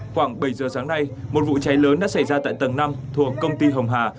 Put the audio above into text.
khoảng bảy giờ sáng nay một vụ cháy lớn đã xảy ra tại tầng năm thuộc công ty hồng hà